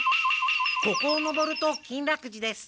ここを上ると金楽寺です。